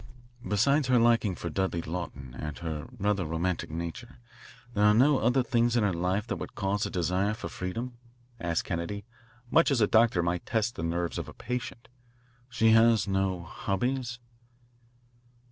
"Besides her liking for Dudley Lawton and her rather romantic nature, there are no other things in her life that would cause a desire for freedom?" asked Kennedy, much as a doctor might test the nerves of a patient. "She had no hobbies?"